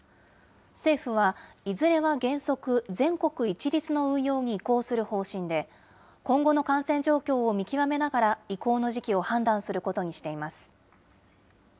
政府は、いずれは原則、全国一律の運用に移行する方針で、今後の感染状況を見極めながら、移行の時期を判断することにしています。